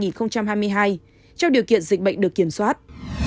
trong điều kiện dịch bệnh được kiểm soát